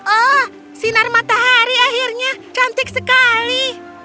oh sinar matahari akhirnya cantik sekali